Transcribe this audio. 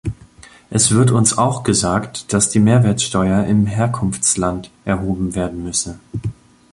Es wird uns auch gesagt, dass die Mehrwertsteuer im Herkunftsland erhoben werden müsse.